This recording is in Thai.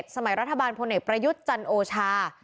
สมัยรัฐบาลพลเอกประยุทธ์จันโอชา